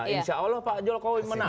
insya allah pak jokowi menang